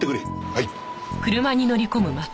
はい。